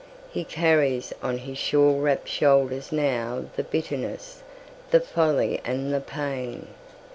He carries on his shawl wrapped shoulders nowThe bitterness, the folly and the pain.